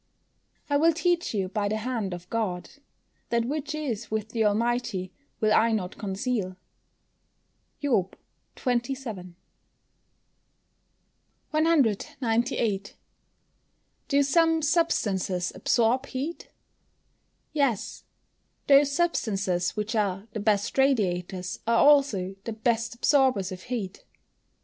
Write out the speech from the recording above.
[Verse: "I will teach you by the hand of God; that which is with the Almighty will I not conceal." JOB XXVII.] 198. Do some substances absorb heat? Yes; those substances which are the best radiators are also the best absorbers of heat.